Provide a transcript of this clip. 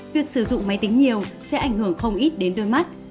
việc sử dụng máy tính nhiều sẽ ảnh hưởng không ít đến đôi mắt